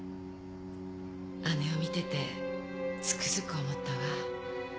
姉を見ててつくづく思ったわ。